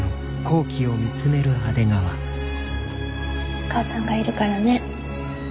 お母さんがいるからね。